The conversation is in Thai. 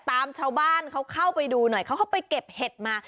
ตามชาวบ้านเขาเข้าไปดูหน่อยเขาเข้าไปเก็บเห็ดมา